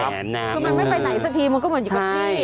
คือมันไม่ไปไหนสักทีมันก็เหมือนอยู่กับที่